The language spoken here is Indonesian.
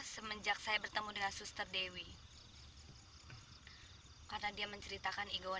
sakti gak tahan lagi mak